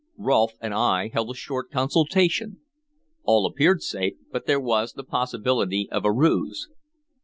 Rolfe and I held a short consultation. All appeared safe, but there was the possibility of a ruse.